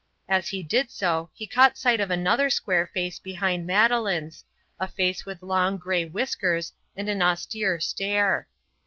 As he did so he caught sight of another square face behind Madeleine's, a face with long grey whiskers and an austere stare.